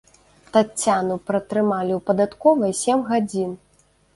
Таццяну пратрымалі ў падатковай сем гадзін.